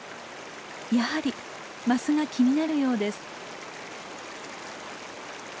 やはりマスが気になるようです。